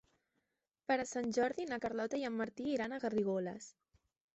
Per Sant Jordi na Carlota i en Martí iran a Garrigoles.